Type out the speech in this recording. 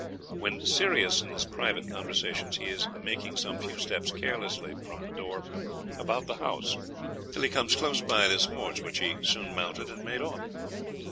When serious in this privat Conversations he is making some few steps carelessly from the Door about the house till he comes close by this horse which he soon mounted and made off.